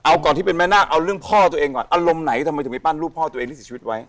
เอาก่อนที่เป็นแม่นาคเอาเรื่องพ่อตัวเองก่อนอารมณ์ไหนทำไมถึงไปปั้นรูปพ่อตัวเองที่เสียชีวิตไว้